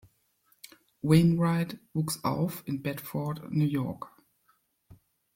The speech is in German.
Wainwright wuchs auf in Bedford, New York.